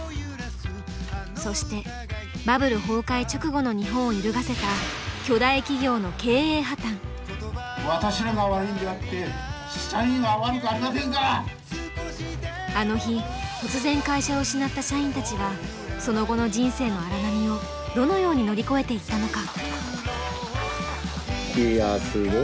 そしてバブル崩壊直後の日本を揺るがせたあの日突然会社を失った社員たちがその後の人生の荒波をどのように乗り越えていったのか。